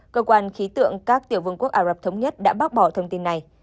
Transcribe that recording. cơ quan khí tượng các tiểu vương quốc ả rập thống nhất đã bác bỏ thông tin này